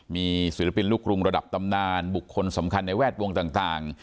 มีศิลปินลูกกรุงระดับตำนานบุคคลสำคัญในแวดวงต่าง